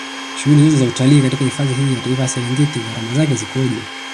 Shughuli za utalii katika hifadhi hii ya Taifa ya Serengeti Gharama zake zikoje